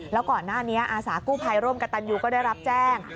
แล้วก่อนหน้านี้อาสากู้ภัยร่วมกับตันยูก็ได้รับแจ้ง